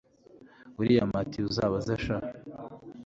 william atiuzabaze sha